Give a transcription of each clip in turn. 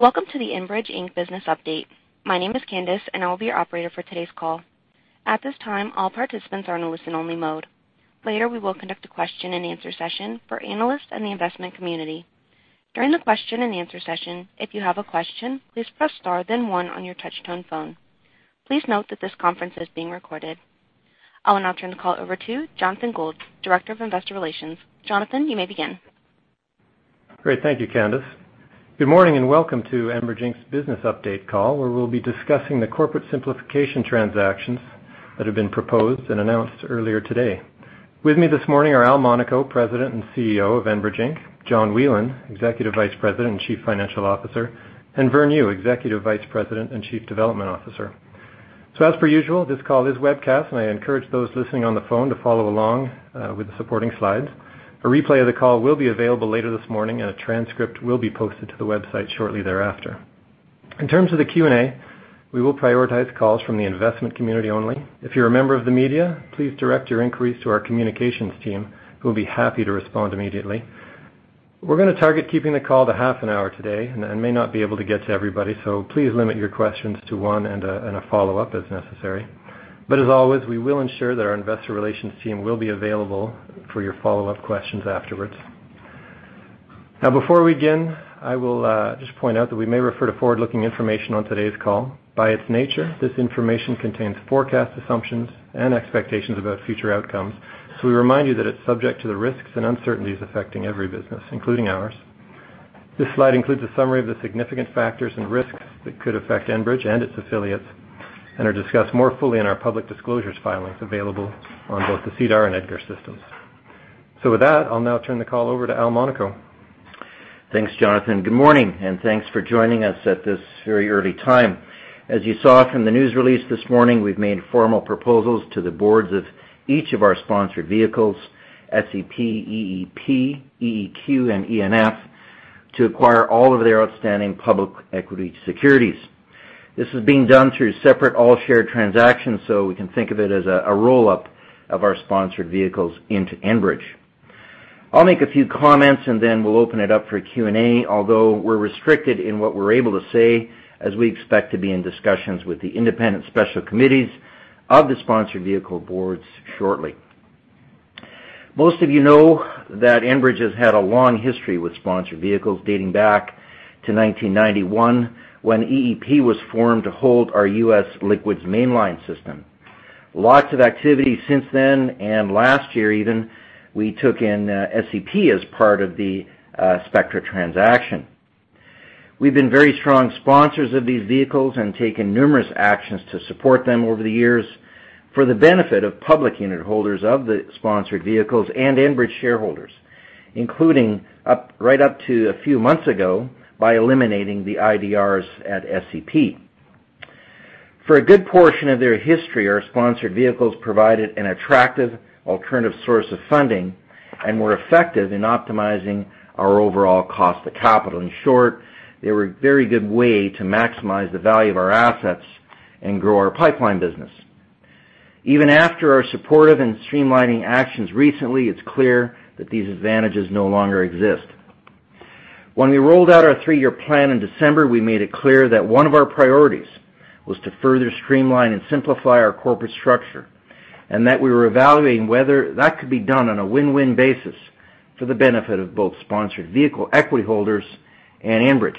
Welcome to the Enbridge Inc. business update. My name is Candace, and I will be your operator for today's call. At this time, all participants are in a listen-only mode. Later, we will conduct a question and answer session for analysts and the investment community. During the question and answer session, if you have a question, please press star then one on your touch-tone phone. Please note that this conference is being recorded. I will now turn the call over to Jonathan Gould, Director of Investor Relations. Jonathan, you may begin. Great. Thank you, Candace. Good morning and welcome to Enbridge Inc.'s business update call, where we'll be discussing the corporate simplification transactions that have been proposed and announced earlier today. With me this morning are Al Monaco, President and Chief Executive Officer of Enbridge Inc.; John Whelen, Executive Vice President and Chief Financial Officer; and Vern Yu, Executive Vice President and Chief Development Officer. As per usual, this call is webcast, and I encourage those listening on the phone to follow along with the supporting slides. A replay of the call will be available later this morning, and a transcript will be posted to the website shortly thereafter. In terms of the Q&A, we will prioritize calls from the investment community only. If you're a member of the media, please direct your inquiries to our communications team, who will be happy to respond immediately. We're going to target keeping the call to half an hour today and may not be able to get to everybody, so please limit your questions to one and a follow-up as necessary. As always, we will ensure that our investor relations team will be available for your follow-up questions afterwards. Now before we begin, I will just point out that we may refer to forward-looking information on today's call. By its nature, this information contains forecast assumptions and expectations about future outcomes. We remind you that it's subject to the risks and uncertainties affecting every business, including ours. This slide includes a summary of the significant factors and risks that could affect Enbridge and its affiliates and are discussed more fully in our public disclosures filings available on both the SEDAR and EDGAR systems. With that, I'll now turn the call over to Al Monaco. Thanks, Jonathan. Good morning, and thanks for joining us at this very early time. As you saw from the news release this morning, we've made formal proposals to the boards of each of our sponsored vehicles, SEP, EEP, EEQ, and ENF, to acquire all of their outstanding public equity securities. This is being done through separate all-share transactions, so we can think of it as a roll-up of our sponsored vehicles into Enbridge. I'll make a few comments and then we'll open it up for Q&A, although we're restricted in what we're able to say as we expect to be in discussions with the independent special committees of the sponsored vehicle boards shortly. Most of you know that Enbridge has had a long history with sponsored vehicles dating back to 1991 when EEP was formed to hold our U.S. liquids mainline system. Lots of activity since then. Last year even, we took in SEP as part of the Spectra transaction. We've been very strong sponsors of these vehicles and taken numerous actions to support them over the years for the benefit of public unit holders of the sponsored vehicles and Enbridge shareholders, including right up to a few months ago by eliminating the IDRs at SEP. For a good portion of their history, our sponsored vehicles provided an attractive alternative source of funding and were effective in optimizing our overall cost to capital. In short, they were a very good way to maximize the value of our assets and grow our pipeline business. Even after our supportive and streamlining actions recently, it's clear that these advantages no longer exist. When we rolled out our three-year plan in December, we made it clear that one of our priorities was to further streamline and simplify our corporate structure. That we were evaluating whether that could be done on a win-win basis for the benefit of both sponsored vehicle equity holders and Enbridge.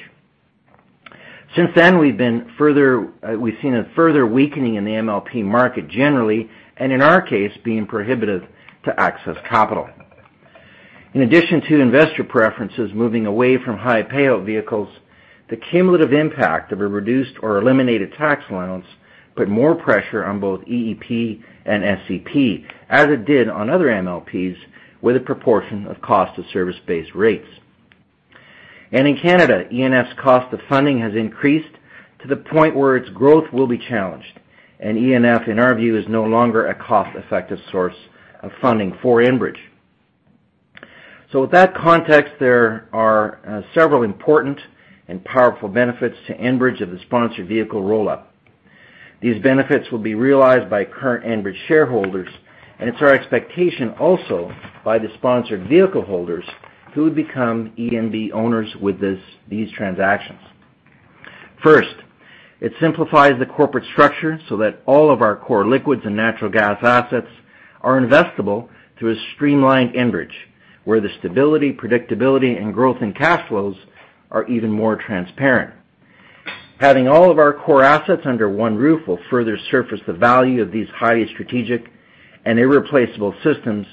Since then, we've seen a further weakening in the MLP market generally. In our case, being prohibitive to access capital. In addition to investor preferences moving away from high payout vehicles, the cumulative impact of a reduced or eliminated tax allowance put more pressure on both EEP and SEP, as it did on other MLPs with a proportion of cost-to-service-based rates. In Canada, ENF's cost of funding has increased to the point where its growth will be challenged, and ENF, in our view, is no longer a cost-effective source of funding for Enbridge. With that context, there are several important and powerful benefits to Enbridge of the sponsored vehicle roll-up. These benefits will be realized by current Enbridge shareholders, and it's our expectation also by the sponsored vehicle holders who would become ENB owners with these transactions. First, it simplifies the corporate structure so that all of our core liquids and natural gas assets are investable through a streamlined Enbridge, where the stability, predictability, and growth in cash flows are even more transparent. Having all of our core assets under one roof will further surface the value of these highly strategic and irreplaceable systems,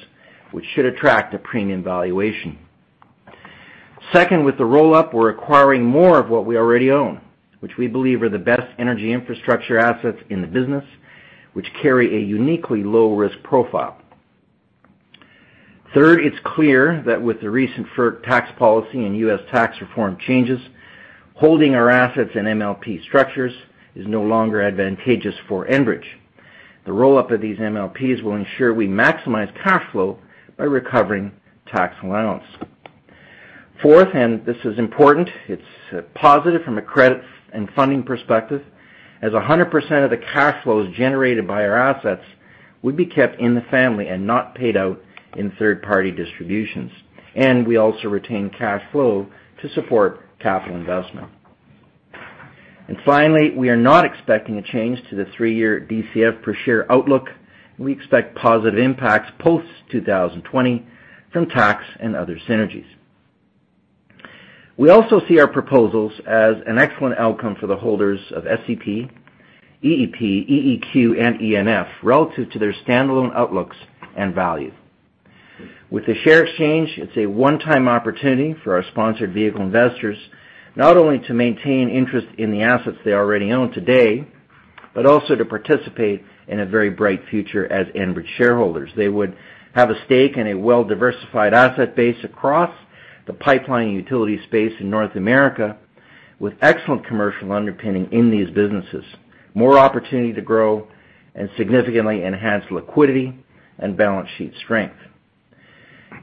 which should attract a premium valuation. Second, with the roll-up, we're acquiring more of what we already own, which we believe are the best energy infrastructure assets in the business, which carry a uniquely low-risk profile. Third, it's clear that with the recent FERC tax policy and U.S. tax reform changes, holding our assets in MLP structures is no longer advantageous for Enbridge. The roll-up of these MLPs will ensure we maximize cash flow by recovering tax allowance. Fourth, this is important, it's positive from a credit and funding perspective, as 100% of the cash flows generated by our assets would be kept in the family and not paid out in third-party distributions. We also retain cash flow to support capital investment. Finally, we are not expecting a change to the three-year DCF per share outlook. We expect positive impacts post 2020 from tax and other synergies. We also see our proposals as an excellent outcome for the holders of SEP, EEP, EEQ, and ENF relative to their standalone outlooks and value. With the share exchange, it's a one-time opportunity for our sponsored vehicle investors not only to maintain interest in the assets they already own today, but also to participate in a very bright future as Enbridge shareholders. They would have a stake in a well-diversified asset base across the pipeline utility space in North America, with excellent commercial underpinning in these businesses, more opportunity to grow, and significantly enhanced liquidity and balance sheet strength.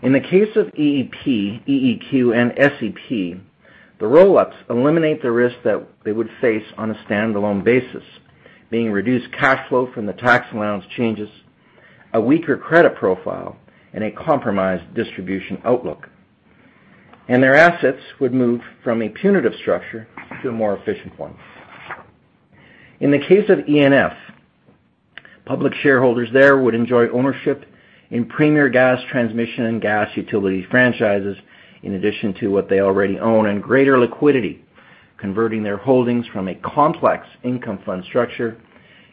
In the case of EEP, EEQ, and SEP, the roll-ups eliminate the risk that they would face on a standalone basis, being reduced cash flow from the tax allowance changes, a weaker credit profile, and a compromised distribution outlook. Their assets would move from a punitive structure to a more efficient one. In the case of ENF, public shareholders there would enjoy ownership in premier gas transmission and gas utility franchises in addition to what they already own, and greater liquidity, converting their holdings from a complex income fund structure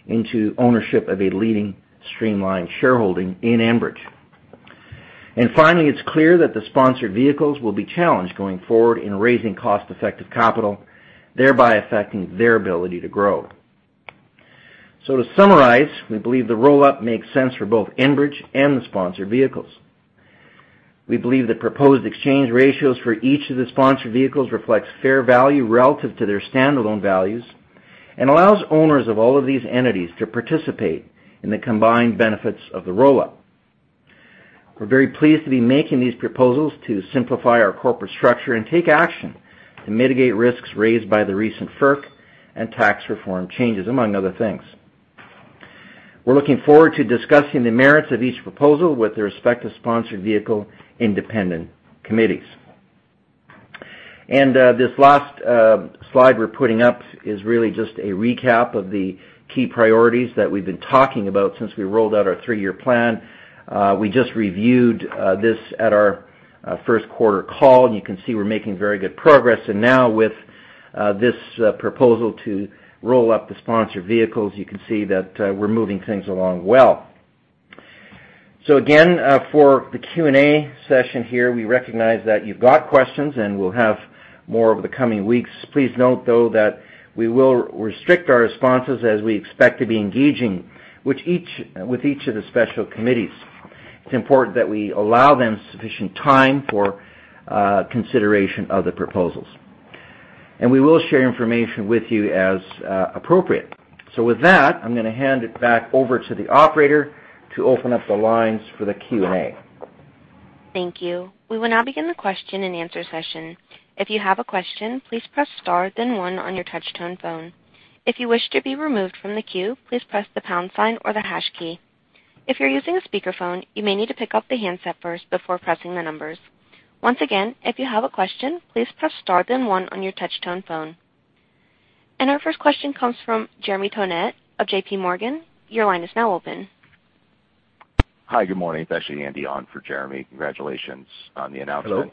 into ownership of a leading streamlined shareholding in Enbridge. Finally, it's clear that the sponsored vehicles will be challenged going forward in raising cost-effective capital, thereby affecting their ability to grow. To summarize, we believe the roll-up makes sense for both Enbridge and the sponsored vehicles. We believe the proposed exchange ratios for each of the sponsored vehicles reflects fair value relative to their standalone values, and allows owners of all of these entities to participate in the combined benefits of the roll-up. We're very pleased to be making these proposals to simplify our corporate structure and take action to mitigate risks raised by the recent FERC and tax reform changes, among other things. We're looking forward to discussing the merits of each proposal with the respective sponsored vehicle independent committees. This last slide we're putting up is really just a recap of the key priorities that we've been talking about since we rolled out our three-year plan. We just reviewed this at our first quarter call, you can see we're making very good progress. Now with this proposal to roll up the sponsored vehicles, you can see that we're moving things along well. Again, for the Q&A session here, we recognize that you've got questions, and we'll have more over the coming weeks. Please note, though, that we will restrict our responses as we expect to be engaging with each of the special committees. It's important that we allow them sufficient time for consideration of the proposals. We will share information with you as appropriate. With that, I'm going to hand it back over to the operator to open up the lines for the Q&A. Thank you. We will now begin the question and answer session. If you have a question, please press star then one on your touch-tone phone. If you wish to be removed from the queue, please press the pound sign or the hash key. If you're using a speakerphone, you may need to pick up the handset first before pressing the numbers. Once again, if you have a question, please press star then one on your touch-tone phone. Our first question comes from Jeremy Tonet of JPMorgan. Your line is now open. Hi, good morning. It's actually Andy on for Jeremy. Congratulations on the announcement.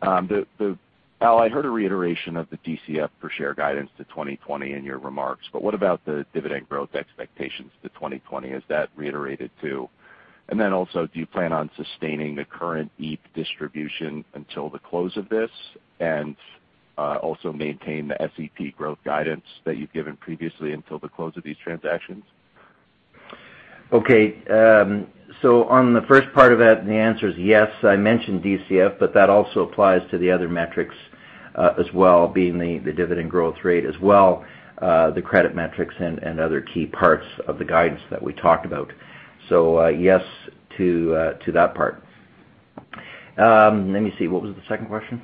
Hello. Al, I heard a reiteration of the DCF per share guidance to 2020 in your remarks, what about the dividend growth expectations to 2020? Is that reiterated, too? Also, do you plan on sustaining the current EEP distribution until the close of this and also maintain the SEP growth guidance that you've given previously until the close of these transactions? Okay. On the first part of that, the answer is yes. I mentioned DCF, that also applies to the other metrics as well, being the dividend growth rate as well, the credit metrics and other key parts of the guidance that we talked about. Yes to that part. Let me see, what was the second question?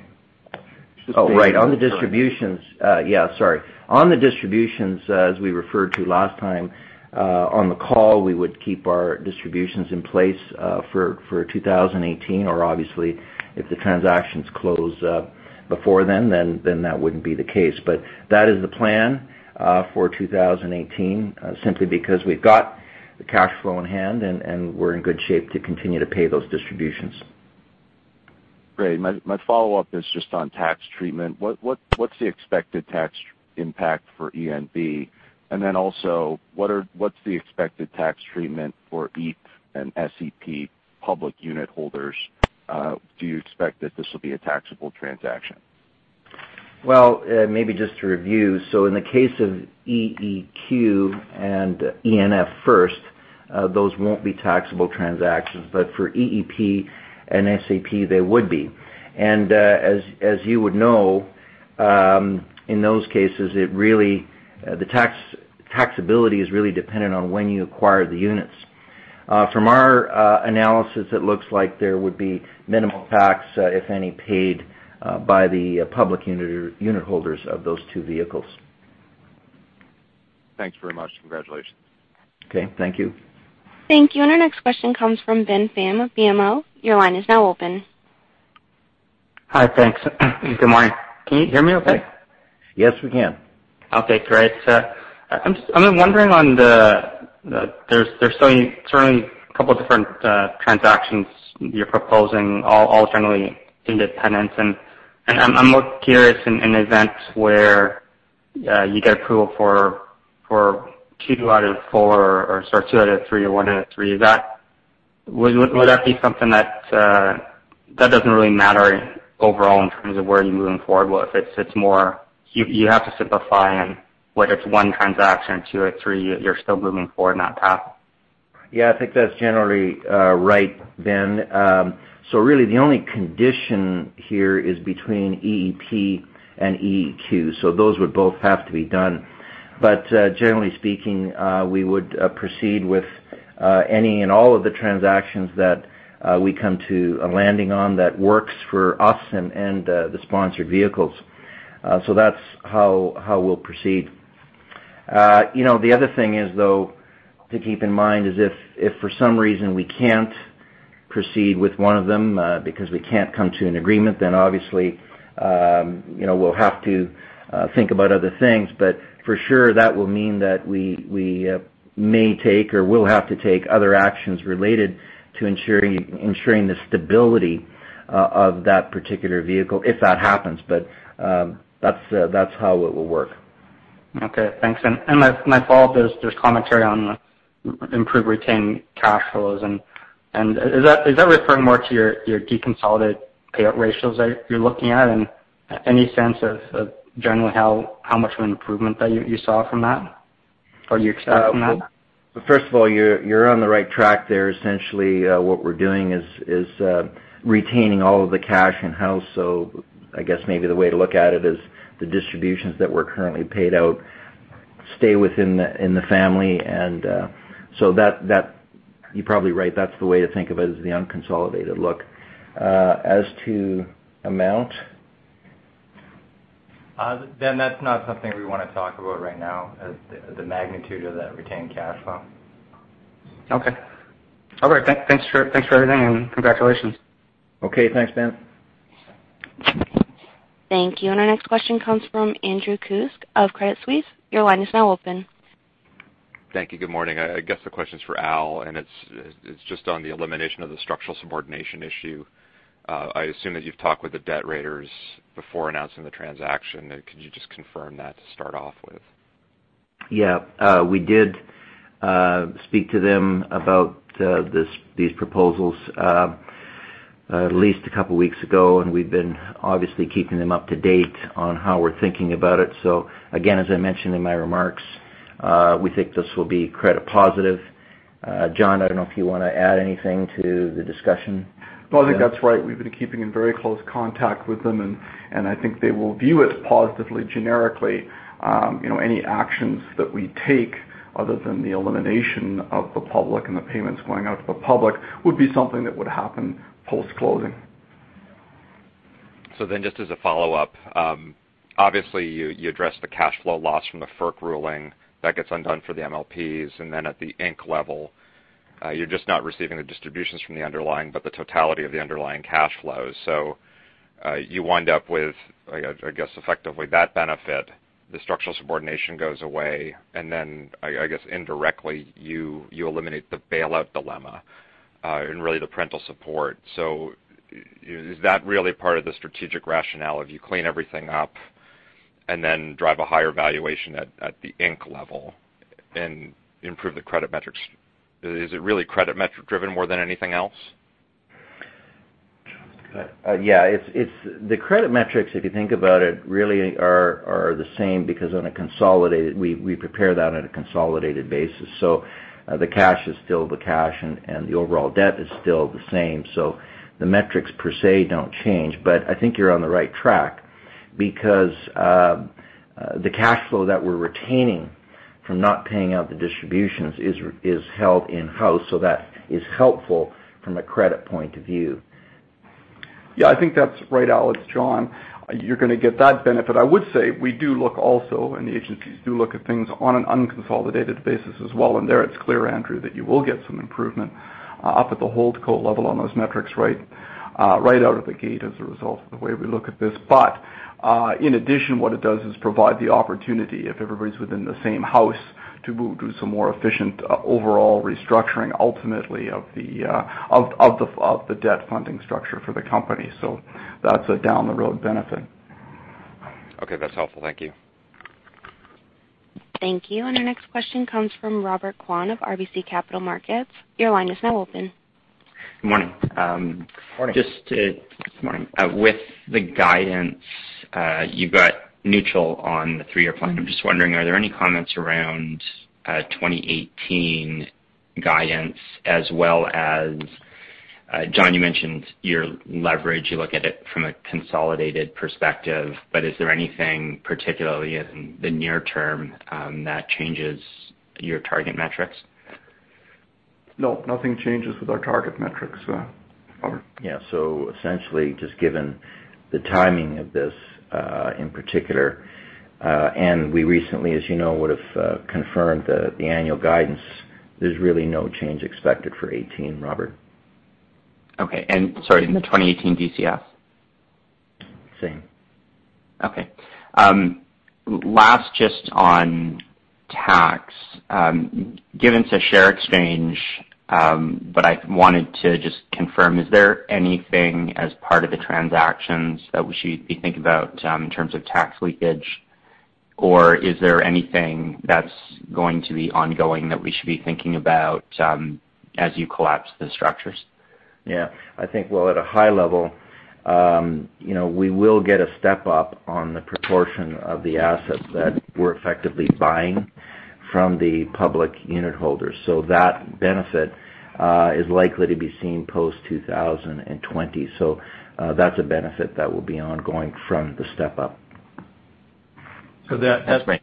Oh, right, on the distributions. Yeah, sorry. On the distributions, as we referred to last time on the call, we would keep our distributions in place for 2018, obviously if the transactions close up before then that wouldn't be the case. That is the plan for 2018, simply because we've got the cash flow in hand and we're in good shape to continue to pay those distributions. Great. My follow-up is just on tax treatment. What's the expected tax impact for ENF? What's the expected tax treatment for EEP and SEP public unit holders? Do you expect that this will be a taxable transaction? Maybe just to review. In the case of EEQ and ENF first, those won't be taxable transactions, but for EEP and SEP, they would be. As you would know, in those cases, the taxability is really dependent on when you acquire the units. From our analysis, it looks like there would be minimal tax, if any, paid by the public unit holders of those two vehicles. Thanks very much. Congratulations. Thank you. Thank you. Our next question comes from Ben Pham of BMO. Your line is now open. Hi. Thanks. Good morning. Can you hear me okay? Yes, we can. Okay, great. I'm wondering, there's certainly a couple different transactions you're proposing, all generally independent. I'm most curious in events where you get approval for two out of four, or sorry, two out of three or one out of three. Would that be something that doesn't really matter overall in terms of where you're moving forward? Or if it's more you have to simplify and whether it's one transaction, two or three, you're still moving forward in that path. I think that's generally right, Ben. Really the only condition here is between EEP and EEQ. Those would both have to be done. Generally speaking, we would proceed with any and all of the transactions that we come to a landing on that works for us and the sponsored vehicles. That's how we'll proceed. The other thing is, though, to keep in mind is if for some reason we can't proceed with one of them because we can't come to an agreement, then obviously, we'll have to think about other things. For sure that will mean that we may take or will have to take other actions related to ensuring the stability of that particular vehicle, if that happens. That's how it will work. Okay, thanks. My follow-up is just commentary on the improved retained cash flows. Is that referring more to your deconsolidated payout ratios that you're looking at? Any sense of generally how much of an improvement that you saw from that, or you expect from that? First of all, you're on the right track there. Essentially, what we're doing is retaining all of the cash in-house. I guess maybe the way to look at it is the distributions that were currently paid out stay within the family. That, you're probably right. That's the way to think of it, is the unconsolidated look. As to amount? Ben, that's not something we want to talk about right now, the magnitude of that retained cash flow. Okay. All right. Thanks for everything, and congratulations. Okay. Thanks, Ben. Thank you. Our next question comes from Andrew Kuske of Credit Suisse. Your line is now open. Thank you. Good morning. I guess the question's for Al, and it's just on the elimination of the structural subordination issue. I assume that you've talked with the debt raters before announcing the transaction. Could you just confirm that to start off with? We did speak to them about these proposals at least a couple of weeks ago, and we've been obviously keeping them up to date on how we're thinking about it. Again, as I mentioned in my remarks, we think this will be credit positive. John, I don't know if you want to add anything to the discussion. No, I think that's right. We've been keeping in very close contact with them, and I think they will view it positively, generically. Any actions that we take other than the elimination of the public and the payments going out to the public would be something that would happen post-closing. Just as a follow-up. Obviously, you addressed the cash flow loss from the FERC ruling. That gets undone for the MLPs, and then at the Inc. level, you're just not receiving the distributions from the underlying, but the totality of the underlying cash flows. You wind up with, I guess, effectively that benefit. The structural subordination goes away, and then, I guess indirectly, you eliminate the bailout dilemma, and really the parental support. Is that really part of the strategic rationale? If you clean everything up and then drive a higher valuation at the Inc. level and improve the credit metrics. Is it really credit metric driven more than anything else? Yeah. The credit metrics, if you think about it, really are the same because we prepare that on a consolidated basis. The cash is still the cash and the overall debt is still the same. The metrics per se don't change. I think you're on the right track because the cash flow that we're retaining from not paying out the distributions is held in-house. That is helpful from a credit point of view. Yeah, I think that's right, Al. It's John. You're going to get that benefit. I would say we do look also, the agencies do look at things on an unconsolidated basis as well. There, it's clear, Andrew, that you will get some improvement up at the HoldCo level on those metrics right out of the gate as a result of the way we look at this. In addition, what it does is provide the opportunity, if everybody's within the same house, to do some more efficient overall restructuring, ultimately, of the debt funding structure for the company. That's a down the road benefit. Okay. That's helpful. Thank you. Thank you. Our next question comes from Robert Kwan of RBC Capital Markets. Your line is now open. Good morning. Good morning. Good morning. With the guidance, you got neutral on the three-year plan. I'm just wondering, are there any comments around 2018 guidance as well as, John, you mentioned your leverage, you look at it from a consolidated perspective, but is there anything particularly in the near term that changes your target metrics? No, nothing changes with our target metrics, Robert. Essentially, just given the timing of this, in particular, and we recently, as you know, would've confirmed the annual guidance. There's really no change expected for 2018, Robert. Okay. Sorry, in the 2018 DCF? Same. Okay. Last, just on tax. Given it's a share exchange, I wanted to just confirm, is there anything as part of the transactions that we should be thinking about in terms of tax leakage, or is there anything that's going to be ongoing that we should be thinking about as you collapse the structures? Yeah. I think, well, at a high level, we will get a step-up on the proportion of the assets that we're effectively buying from the public unit holders. That benefit is likely to be seen post 2020. That's a benefit that will be ongoing from the step-up. That's great.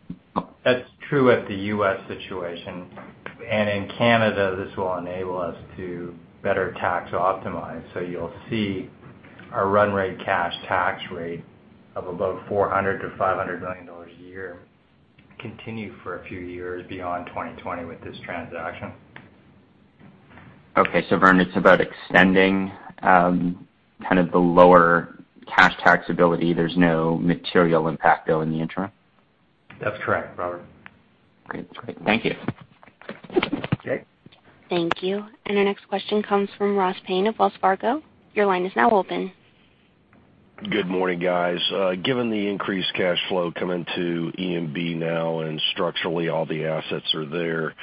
That's true at the U.S. situation. In Canada, this will enable us to better tax optimize. You'll see our run rate cash tax rate of about 400 million-500 million dollars a year continue for a few years beyond 2020 with this transaction. Okay. Vern, it's about extending the lower cash taxability. There's no material impact, though, in the interim? That's correct, Robert. Great. Thank you. Okay. Thank you. Our next question comes from Ross Payne of Wells Fargo. Your line is now open. Good morning, guys. Given the increased cash flow coming to ENB now, and structurally all the assets are there,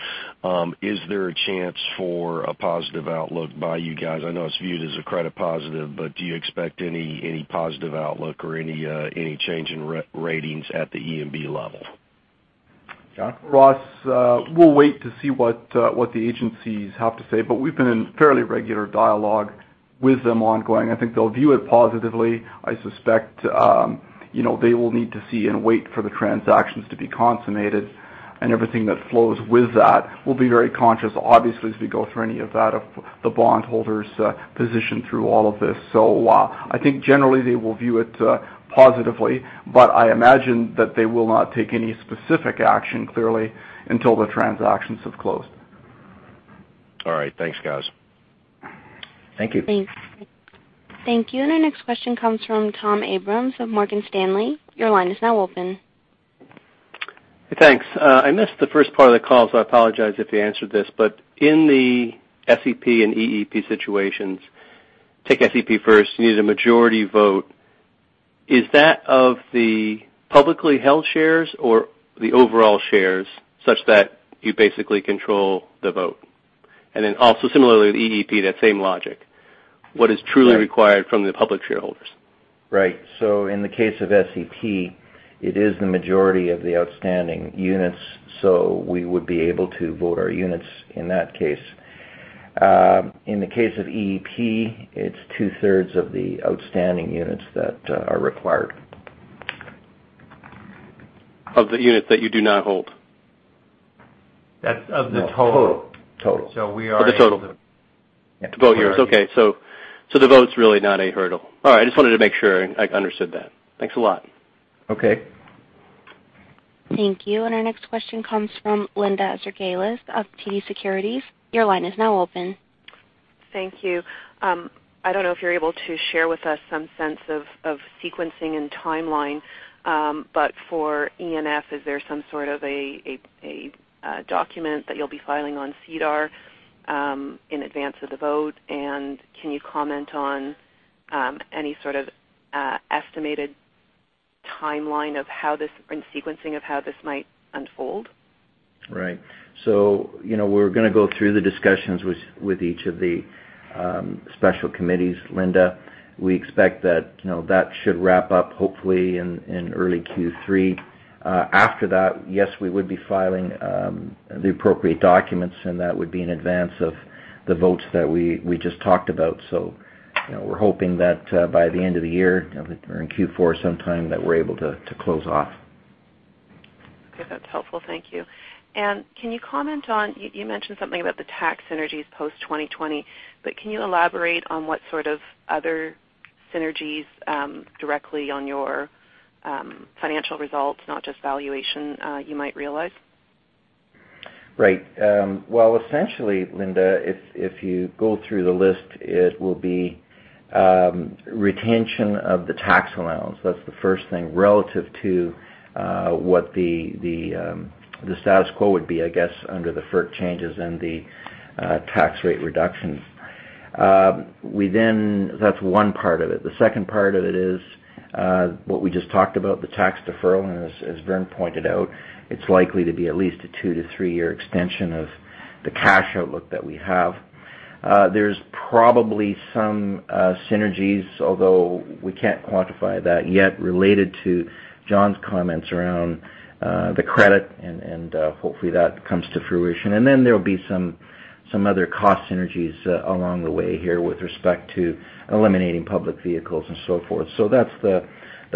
is there a chance for a positive outlook by you guys? I know it's viewed as a credit positive, but do you expect any positive outlook or any change in ratings at the ENB level? John? Ross, we'll wait to see what the agencies have to say, but we've been in fairly regular dialogue with them ongoing. I think they'll view it positively. I suspect they will need to see and wait for the transactions to be consummated, and everything that flows with that. We'll be very conscious, obviously, as we go through any of that, of the bond holders' position through all of this. I think generally they will view it positively. I imagine that they will not take any specific action, clearly, until the transactions have closed. All right. Thanks, guys. Thank you. Thanks. Thank you. Our next question comes from Thomas Abrams of Morgan Stanley. Your line is now open. Thanks. I missed the first part of the call, I apologize if you answered this, in the SEP and EEP situations, take SEP first, you need a majority vote. Is that of the publicly held shares or the overall shares, such that you basically control the vote? Then also similarly with EEP, that same logic. What is truly required from the public shareholders? Right. In the case of SEP, it is the majority of the outstanding units. We would be able to vote our units in that case. In the case of EEP, it's two-thirds of the outstanding units that are required. Of the units that you do not hold. That's of the total. Total. So we are- Of the total. Yeah, correct. To vote here. Okay. The vote's really not a hurdle. All right. I just wanted to make sure I understood that. Thanks a lot. Okay. Thank you. Our next question comes from Linda Ezergailis of TD Securities. Your line is now open. Thank you. I don't know if you're able to share with us some sense of sequencing and timeline. For ENF, is there some sort of a document that you'll be filing on SEDAR, in advance of the vote? Can you comment on any sort of estimated timeline or sequencing of how this might unfold? Right. We're going to go through the discussions with each of the special committees, Linda. We expect that should wrap up, hopefully, in early Q3. After that, yes, we would be filing the appropriate documents, and that would be in advance of the votes that we just talked about. We're hoping that by the end of the year, or in Q4 sometime, that we're able to close off. Okay. That's helpful. Thank you. Can you comment on, you mentioned something about the tax synergies post 2020, but can you elaborate on what sort of other synergies directly on your financial results, not just valuation, you might realize? Right. Well, essentially, Linda, if you go through the list, it will be retention of the tax allowance. That's the first thing, relative to what the status quo would be, I guess, under the FERC changes and the tax rate reductions. That's one part of it. The second part of it is what we just talked about, the tax deferral. As Vern pointed out, it's likely to be at least a two to three-year extension of the cash outlook that we have. There's probably some synergies, although we can't quantify that yet, related to John's comments around the credit, and hopefully that comes to fruition. Then there'll be some other cost synergies along the way here with respect to eliminating public vehicles and so forth. That's the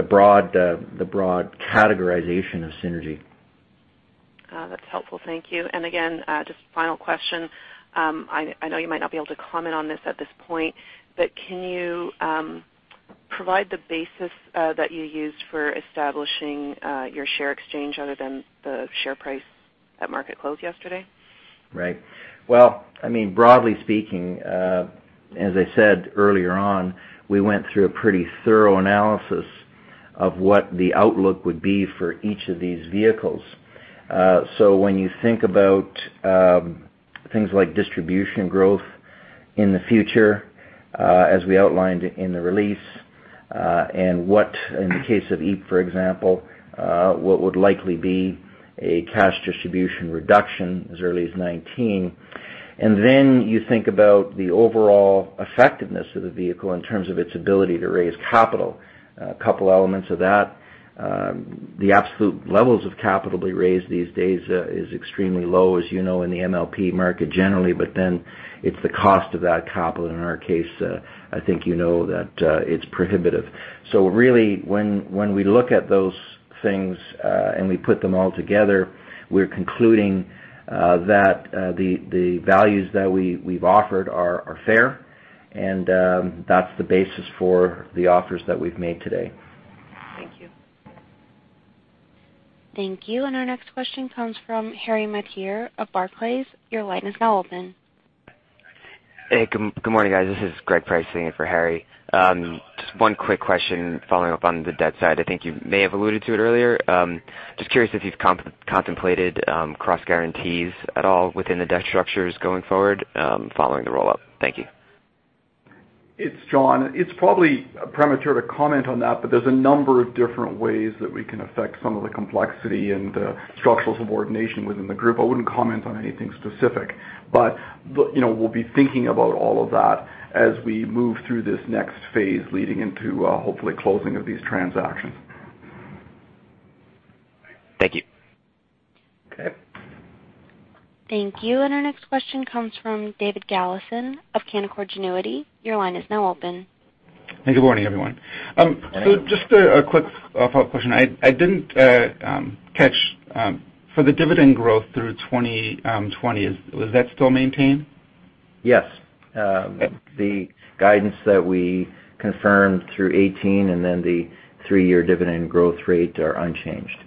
broad categorization of synergy. That's helpful. Thank you. Again, just final question. I know you might not be able to comment on this at this point, but can you provide the basis that you used for establishing your share exchange other than the share price at market close yesterday? Right. Well, broadly speaking, as I said earlier on, we went through a pretty thorough analysis of what the outlook would be for each of these vehicles. When you think about things like distribution growth in the future, as we outlined in the release, and what in the case of EEP, for example, what would likely be a cash distribution reduction as early as 2019. You think about the overall effectiveness of the vehicle in terms of its ability to raise capital. A couple elements of that. The absolute levels of capital to be raised these days is extremely low, as you know, in the MLP market generally. It's the cost of that capital. In our case, I think you know that it's prohibitive. Really, when we look at those things, and we put them all together, we're concluding that the values that we've offered are fair, and that's the basis for the offers that we've made today. Thank you. Thank you. Our next question comes from Harry Mateer of Barclays. Your line is now open. Hey, good morning, guys. This is Greg Price sitting in for Harry. Just one quick question following up on the debt side. I think you may have alluded to it earlier. Just curious if you've contemplated cross guarantees at all within the debt structures going forward, following the rollout. Thank you. It's John. It's probably premature to comment on that, but there's a number of different ways that we can affect some of the complexity and structural subordination within the group. I wouldn't comment on anything specific. We'll be thinking about all of that as we move through this next phase leading into hopefully closing of these transactions. Thank you. Okay. Thank you. Our next question comes from David Galison of Canaccord Genuity. Your line is now open. Hey, good morning, everyone. Good morning. Just a quick follow-up question. I didn't catch for the dividend growth through 2020, is that still maintained? Yes. The guidance that we confirmed through 2018, the three-year dividend growth rate are unchanged.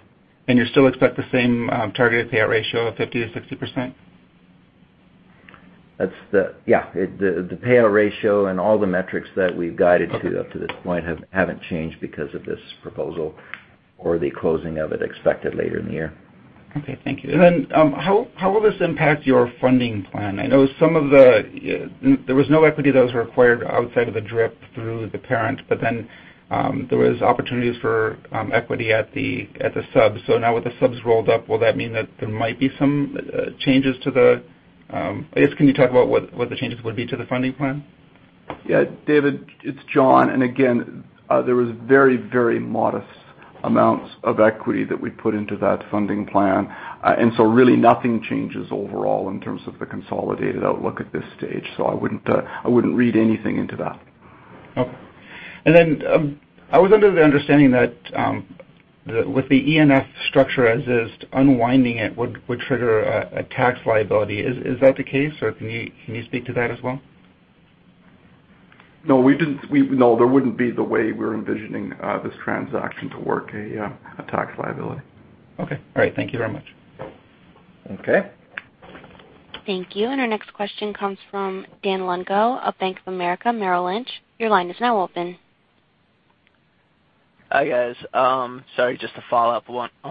You still expect the same targeted payout ratio of 50% to 60%? Yeah. The payout ratio and all the metrics that we've guided to up to this point haven't changed because of this proposal or the closing of it expected later in the year. Okay. Thank you. How will this impact your funding plan? There was no equity that was required outside of the DRIP through the parent, there was opportunities for equity at the sub. Now with the subs rolled up, will that mean that there might be some changes to the, I guess, can you talk about what the changes would be to the funding plan? Yeah. David, it's John. Again, there was very, very modest amounts of equity that we put into that funding plan. Really nothing changes overall in terms of the consolidated outlook at this stage. I wouldn't read anything into that. Okay. Then, I was under the understanding that with the ENF structure as is, unwinding it would trigger a tax liability. Is that the case, or can you speak to that as well? No. There wouldn't be the way we're envisioning this transaction to work a tax liability. Okay. All right. Thank you very much. Okay. Thank you. Our next question comes from Dan Lungo of Bank of America Merrill Lynch. Your line is now open. Hi, guys. Sorry, just to follow up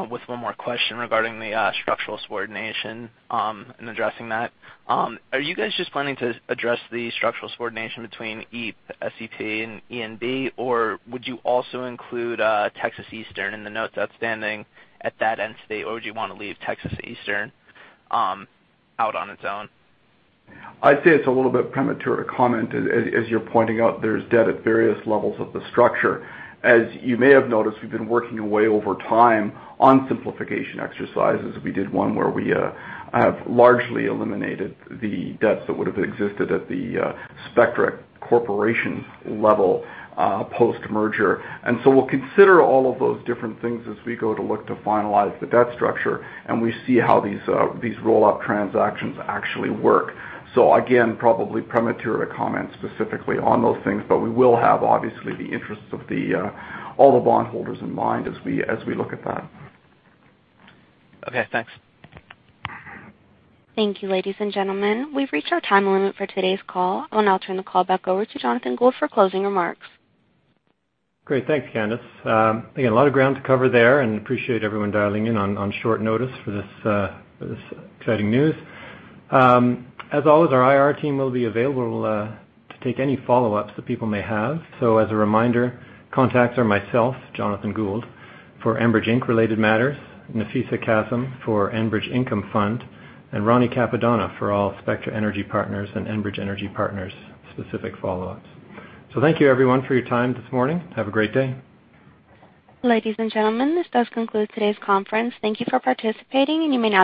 with one more question regarding the structural subordination, and addressing that. Are you guys just planning to address the structural subordination between EEP, SEP, and ENB, or would you also include Texas Eastern in the notes outstanding at that end state, or would you want to leave Texas Eastern out on its own? I'd say it's a little bit premature to comment. As you're pointing out, there's debt at various levels of the structure. As you may have noticed, we've been working away over time on simplification exercises. We did one where we have largely eliminated the debts that would have existed at the Spectra corporation level, post-merger. We'll consider all of those different things as we go to look to finalize the debt structure, and we see how these rollout transactions actually work. Again, probably premature to comment specifically on those things, but we will have, obviously, the interests of all the bond holders in mind as we look at that. Okay, thanks. Thank you, ladies and gentlemen. We've reached our time limit for today's call. I will now turn the call back over to Jonathan Gould for closing remarks. Great. Thanks, Candice. A lot of ground to cover there, and appreciate everyone dialing in on short notice for this exciting news. As always, our IR team will be available to take any follow-ups that people may have. As a reminder, contacts are myself, Jonathan Gould, for Enbridge Inc.-related matters. Nafeesa Kassam for Enbridge Income Fund, and Roni Cappadonna for all Spectra Energy Partners and Enbridge Energy Partners specific follow-ups. Thank you everyone for your time this morning. Have a great day. Ladies and gentlemen, this does conclude today's conference. Thank you for participating, and you may now disconnect.